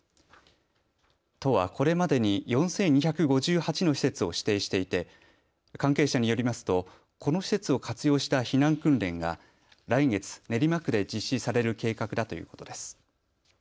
都はこれまでに４２５８の施設を指定していて関係者によりますとこの施設を活用した避難訓練が来月、練馬区で実施される計画だということです。